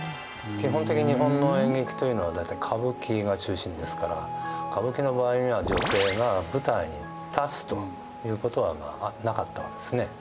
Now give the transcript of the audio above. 基本的に日本の演劇というのは大体歌舞伎が中心ですから歌舞伎の場合には女性が舞台に立つということはなかったわけですね。